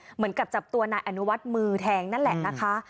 เหมือนกับจับตัวนายอนุวัฒน์มือแทงนั่นแหละนะคะ